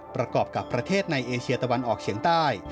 ประกอบกับประเทศในเอเชียตะวันออกเฉียงใต้